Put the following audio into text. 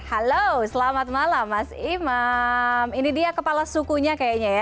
halo selamat malam mas imam ini dia kepala sukunya kayaknya ya